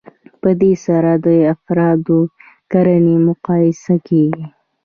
په دې سره د افرادو کړنې مقایسه کیږي.